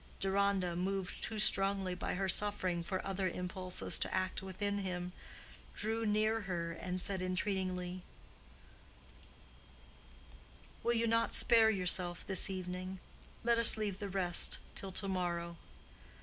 Deronda, moved too strongly by her suffering for other impulses to act within him, drew near her, and said, entreatingly, "Will you not spare yourself this evening? Let us leave the rest till to morrow."